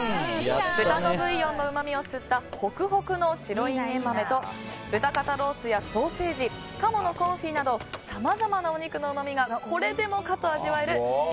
豚のブイヨンのうまみを吸ったホクホクの白インゲン豆と豚肩ロースやソーセージ鴨のコンフィなどさまざまなお肉のうまみがこれでもかと味わえる南